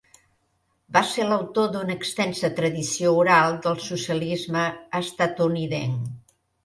Va ser l'autor d'una extensa tradició oral del socialisme estatunidenc.